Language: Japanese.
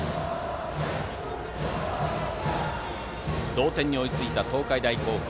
同点に追いついた東海大甲府。